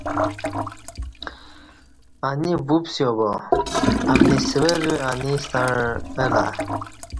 انی وپسیا با امنی سور انی ستݩع الہ